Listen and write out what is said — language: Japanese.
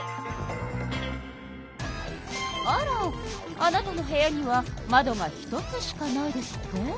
あらあなたの部屋には窓が１つしかないですって？